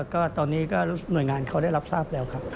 ก็ตอนนี้ก็หน่วยงานเขาได้รับทราบแล้วครับ